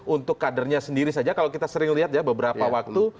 untuk kadernya sendiri saja kalau kita sering lihat ya beberapa waktu